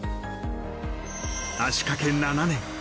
足掛け７年。